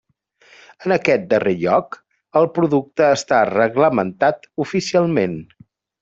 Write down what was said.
En aquest darrer lloc el producte està reglamentat oficialment.